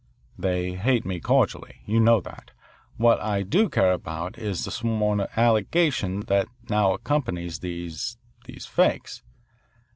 They hate me cordially. You know that. What I do care about is the sworn allegation that now accompanies these these fakes.